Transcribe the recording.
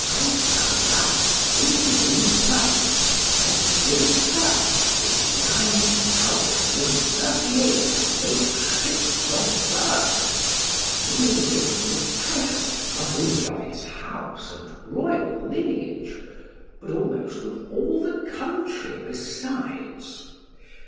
Alpharbal in his own person presently returned with nine thousand and thirty eight great ships of burden, bringing with him the treasures, not only of his house and royal lineage, but almost of all the country besides.